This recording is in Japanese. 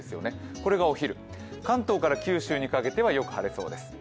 これがお昼、関東から九州にかけてはよく晴れそうです。